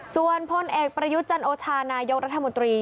ส่วนพลเอกประยุทธ์จันโอชานายกรัฐมนตรี